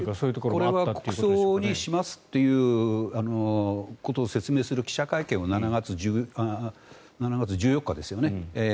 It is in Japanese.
これは国葬にしますということを説明する記者会見を７月１４日ですよね